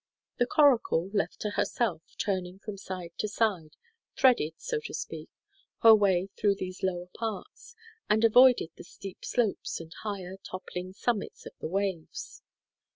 The coracle, left to herself, turning from side to side, threaded, so to speak, her way through these lower parts, and avoided the steep slopes and higher, toppling summits of the waves.